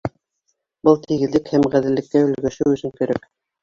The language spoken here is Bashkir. Был тигеҙлек һәм ғәҙеллеккә өлгәшеү өсөн кәрәк.